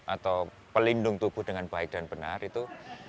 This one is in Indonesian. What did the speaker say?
atau pelindung tubuh dengan baik dan benar itu